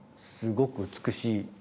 すごく美しい。